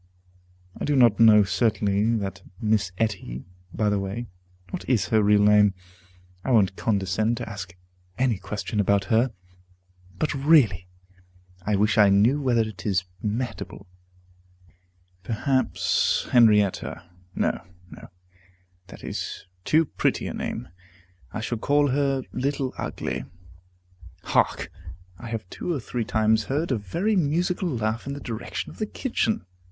I do not know certainly that Miss Etty By the way, what is her real name? I won't condescend to ask any question about her. But really, I wish I knew whether it is Mehitable. Perhaps Henrietta. No, no, that is too pretty a name; I shall call her Little Ugly. Hark! I have two or three times heard a very musical laugh in the direction of the kitchen.